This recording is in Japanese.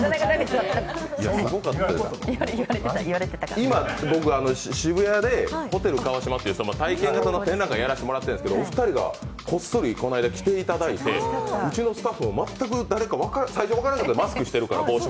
今、渋谷でホテルカワシマという体験型の展覧会、やらせていただいてるんですけどお二人がこっそり来ていただいて、うちのスタッフも全く誰か最初は分からなくて、マスクしてるから。